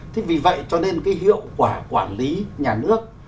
thế vì vậy cho nên cái hiệu quả quản lý nhà nước